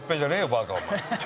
バカ、お前。